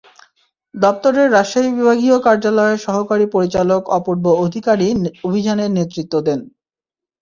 দপ্তরের রাজশাহী বিভাগীয় কার্যালয়ের সহকারী পরিচালক অপূর্ব অধিকারী অভিযানে নেতৃত্ব দেন।